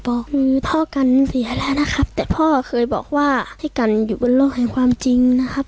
อกมือพ่อกันเสียแล้วนะครับแต่พ่อเคยบอกว่าพี่กันอยู่บนโลกแห่งความจริงนะครับ